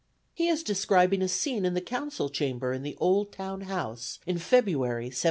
He is describing a scene in the Council Chamber in the old Town House, in February, 1761.